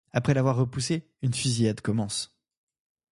Après l'avoir repoussée, une fusillade commence.